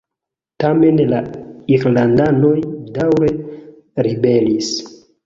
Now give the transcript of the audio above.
Tamen la irlandanoj daŭre ribelis.